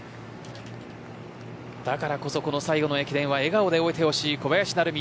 だからこそ最後の駅伝は笑顔で終えてほしい小林成美。